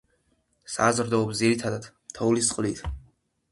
საზრდოობს ძირითადად თოვლის წყლით.